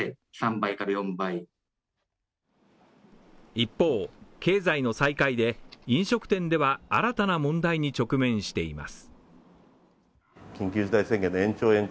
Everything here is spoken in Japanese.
一方、経済の再開で飲食店では、新たな問題に直面しています。